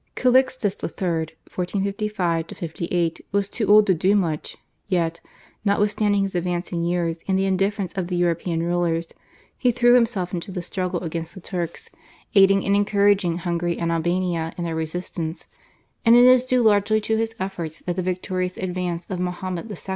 Calixtus III. (1455 58) was too old to do much, yet, notwithstanding his advancing years and the indifference of the European rulers, he threw himself into the struggle against the Turks, aiding and encouraging Hungary and Albania in their resistance, and it is due largely to his efforts that the victorious advance of Mahomet II.